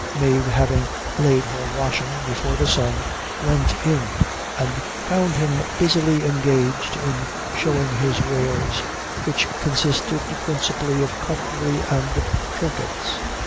Mave having laid her washing before the sun, went in and found him busily engaged in showing his wares, which consisted principally of cutlery and trinkets.